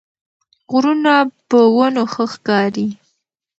غرونه په ونو ښه ښکاري